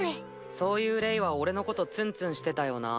そういうれいは俺のことツンツンしてたよな。